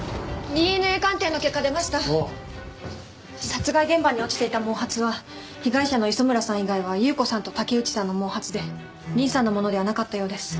殺害現場に落ちていた毛髪は被害者の磯村さん以外は祐子さんと竹内さんの毛髪でリンさんのものではなかったようです。